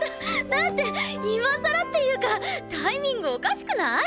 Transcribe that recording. だって今さらっていうかタイミングおかしくない？